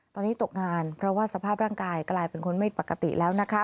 ตอนนี้ตกงานเพราะว่าสภาพร่างกายกลายเป็นคนไม่ปกติแล้วนะคะ